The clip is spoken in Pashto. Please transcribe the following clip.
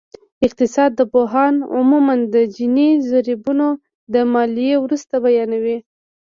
اقتصادپوهان عموماً د جیني ضریبونه د ماليې وروسته بیانوي